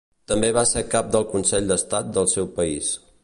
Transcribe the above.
També va ser cap del Consell d'Estat del seu país.